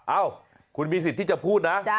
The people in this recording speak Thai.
เอ้าคุณมีสิทธิ์ที่จะพูดนะ